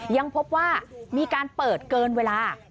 ยังพบว่ามีการเปิดเกินเวลา